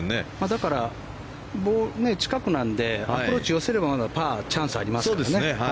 だから近くなのでアプローチを寄せればまだパーのチャンスありますからね。